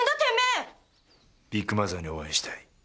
ビッグマザーにお会いしたい。